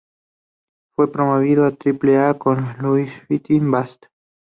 Fue promovido a Triple-A con Louisville Bats.